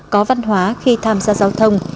có văn hóa khi tham gia giao thông